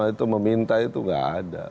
ulama itu meminta itu gak ada